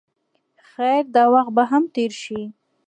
خیر دا وخت به هم تېر شي.